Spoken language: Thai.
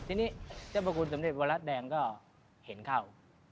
ทีนี้เจ้าพระคุณสมเด็จวรัฐแดงก็เห็นเข้า